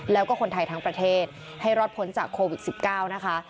แล้วก็คนไทยทั้งประเทศให้รอดพ้นจากโควิด๑๙นะคะ